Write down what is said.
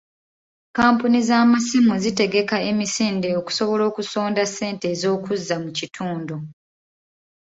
Kkampuni z'amasimu zitegeka emisinde okusobola okusonda ssente ez'okuzza mu kitundu